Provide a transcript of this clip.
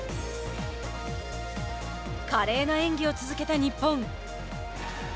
華麗な演技を続けた日本。